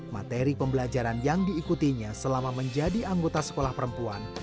materi pembelajaran yang diikutinya selama menjadi anggota sekolah perempuan